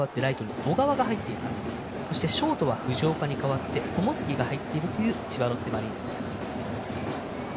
そして、ショートは藤岡に代わって友杉が入っている千葉ロッテマリーンズです。